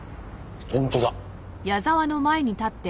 本当だ。